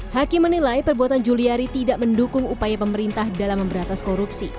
hakim menilai perbuatan juliari tidak mendukung upaya pemerintah dalam memberatas korupsi